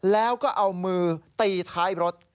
แล้วก็เอามือตีท้ายรถ